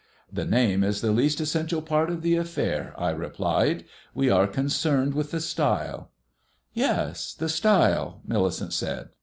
"The name is the least essential part of the affair," I replied. "We are concerned with the stile." "Yes, the stile," Millicent said.